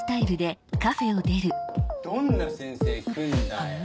どんな先生来んだよ？